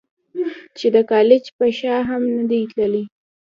چې د کالج پۀ شا هم نۀ دي تلي -